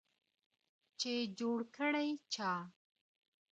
چي جوړ کړی چا